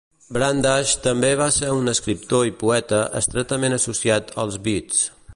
Brundage també va ser un escriptor i poeta estretament associat als Beats.